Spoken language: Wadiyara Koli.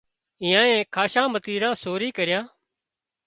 اينئائي کاشان متيران سوري ڪريان